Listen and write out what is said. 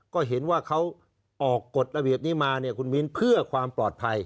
ก็เห็นว่าเขาออกกฎระเบียบนี้มาเนี่ยคุณมิ้นเพื่อความปลอดภัย